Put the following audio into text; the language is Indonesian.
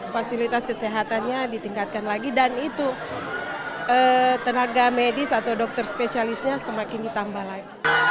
fasilitas kesehatannya ditingkatkan lagi dan itu tenaga medis atau dokter spesialisnya semakin ditambah lagi